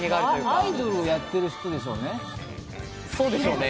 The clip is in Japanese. アイドルやってる人でしょうね。